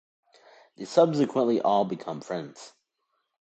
They subsequently all become friends.